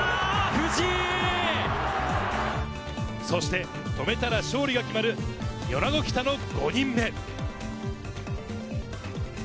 そして止めたら勝利が決まる米子北の５人目。